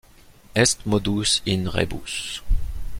Est modus in rebus.